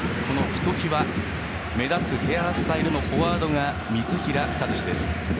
ひときわ目立つヘアスタイルのフォワードが三平和司です。